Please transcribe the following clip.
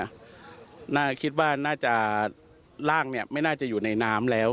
น่าคิดว่าน่าจะร่างเนี่ยไม่น่าจะอยู่ในน้ำแล้ว